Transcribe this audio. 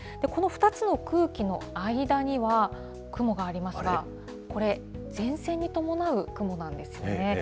この２つの空気の間には雲がありますが、これ、前線に伴う雲なんですね。